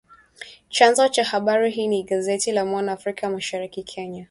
Chanzo cha habari hii ni gazeti la Mwana Afrika Mashariki, Kenya